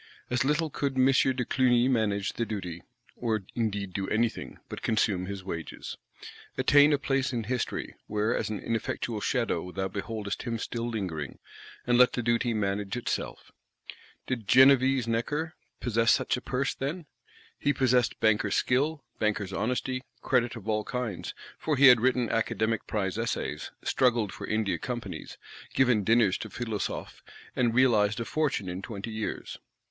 As little could M. de Clugny manage the duty; or indeed do anything, but consume his wages; attain "a place in History," where as an ineffectual shadow thou beholdest him still lingering;—and let the duty manage itself. Did Genevese Necker possess such a Purse, then? He possessed banker's skill, banker's honesty; credit of all kinds, for he had written Academic Prize Essays, struggled for India Companies, given dinners to Philosophes, and "realised a fortune in twenty years."